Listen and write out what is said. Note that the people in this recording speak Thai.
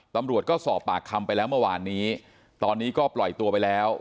ตำรวจก็สอบปากคำไปแล้วเมื่อวานนี้ตอนนี้ก็ปล่อยตัวไปแล้ว